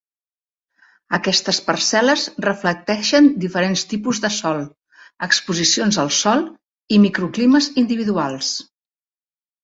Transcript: Aquestes parcel·les reflecteixen diferents tipus de sòl, exposicions al sol i microclimes individuals.